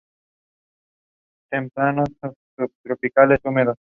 Templados a subtropicales húmedos.